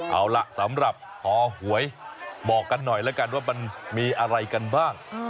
เอาล่ะสำหรับคอหวยบอกกันหน่อยแล้วกันว่ามันมีอะไรกันบ้าง